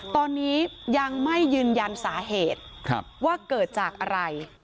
ตอนนี้ยังไม่ยืนยันสาเหตุว่าเกิดจากอะไร